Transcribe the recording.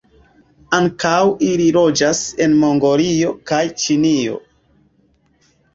Ankaŭ ili loĝas en Mongolio kaj Ĉinio.